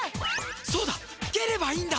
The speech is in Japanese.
そうだければいいんだ！